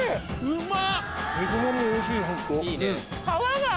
うまっ！